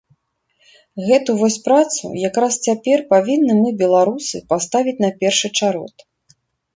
Гэту вось працу якраз цяпер павінны мы, беларусы, паставіць на першы чарод.